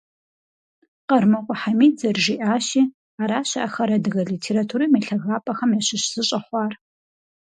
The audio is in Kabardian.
Къэрмокъуэ Хьэмид зэрыжиӀащи, аращ ахэр адыгэ литературэм и лъагапӀэхэм ящыщ зы щӀэхъуар.